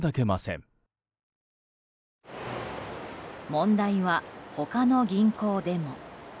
問題は他の銀行でも。